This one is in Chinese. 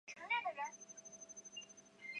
中国人民解放军空军上将。